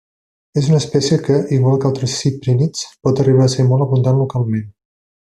És una espècie que, igual que altres ciprínids, pot arribar a ser molt abundant localment.